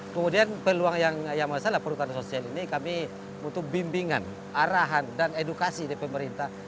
kemudian peluang yang masalah perhutanan sosial ini kami butuh bimbingan arahan dan edukasi dari pemerintah